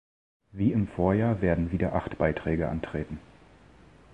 Wie im Vorjahr werden wieder acht Beiträge antreten.